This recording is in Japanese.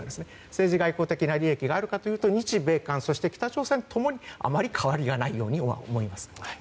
政治外交的な利益があるかというと日米韓そして北朝鮮、共にあまり変わりがないようには思います。